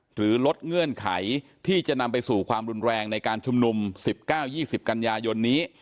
หรือลดเงื่อนไขที่จะนำไปสู่ความรุนแรงในการชุมนุม๑๙๒๐กันยายนนี้